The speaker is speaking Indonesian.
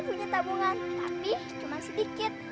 punya tabungan tapi cuma sedikit